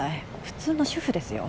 普通の主婦ですよ。